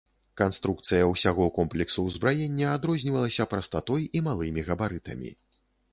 Канструкцыя ўсяго комплексу ўзбраення адрознівалася прастатой і малымі габарытамі.